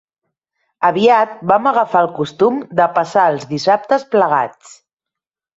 Aviat vam agafar el costum de passar els dissabtes plegats.